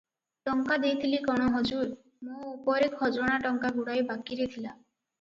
"ଟଙ୍କା ଦେଇଥିଲି କଣ ହଜୁର! ମୋ ଉପରେ ଖଜଣା ଟଙ୍କା ଗୁଡ଼ାଏ ବାକିରେ ଥିଲା ।